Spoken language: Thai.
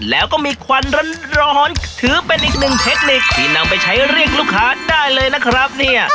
แล้วก็มีควันร้อนถือเป็นอีกหนึ่งเทคนิคที่นำไปใช้เรียกลูกค้าได้เลยนะครับเนี่ย